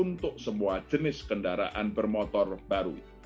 untuk semua jenis kendaraan bermotor baru